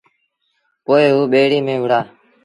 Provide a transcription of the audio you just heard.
پوء او ٻيڙيٚ ميݩ وهُڙآ